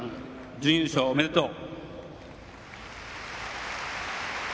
準優勝、おめでとう。